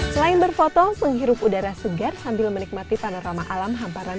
selain berfoto menghirup udara segar sambil menikmati panorama alam hamparan